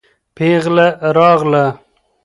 پېغله راغله.